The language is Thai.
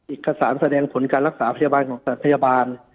เอกสารแสดงผลการรักษาพยาบาลของพยาบาล